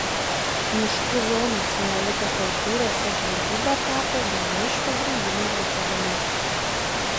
Miškų zonos neolito kultūrose žvejyba tapo viena iš pagrindinių ūkio dalių.